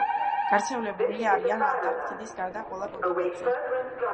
გავრცელებული არიან ანტარქტიდის გარდა ყველა კონტინენტზე.